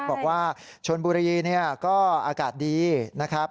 บอกว่าชนบุรีก็อากาศดีนะครับ